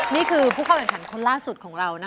นี่คือผู้เข้าเดินทางคนล่าสุดของเรานะคะ